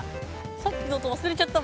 さっきの音忘れちゃったもん。